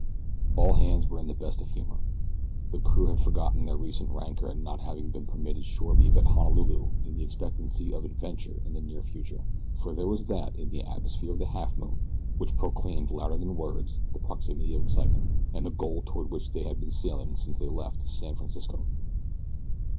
All hands were in the best of humor. The crew had forgotten their recent rancor at not having been permitted shore leave at Honolulu in the expectancy of adventure in the near future, for there was that in the atmosphere of the Halfmoon which proclaimed louder than words the proximity of excitement, and the goal toward which they had been sailing since they left San Francisco.